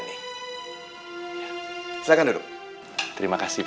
besok aja p don't disturb